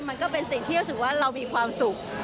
มันก็เป็นสิ่งที่เรามีความสุข